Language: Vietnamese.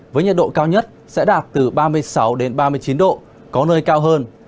với nhiệt độ cao nhất sẽ đạt từ ba mươi sáu ba mươi chín độ có nơi cao hơn